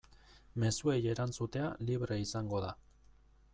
Mezuei erantzutea libre izango da.